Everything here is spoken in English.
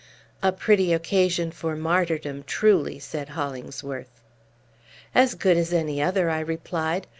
"A pretty occasion for martyrdom, truly!" said Hollingsworth. "As good as any other," I replied.